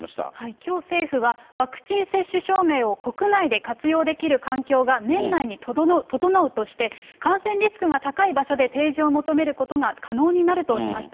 きょう政府は、ワクチン接種証明を国内で活用できる環境が年内に整うとして、感染リスクが高い場所で提示を求めることが可能になるとしました。